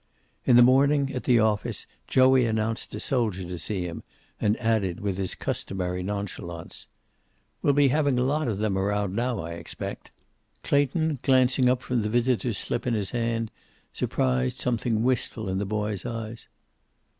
In the morning, at the office, Joey announced a soldier to see him, and added, with his customary nonchalance: "We'll be having a lot of them around now, I expect." Clayton, glancing up from the visitor's slip in his hand, surprised something wistful in the boy's eyes.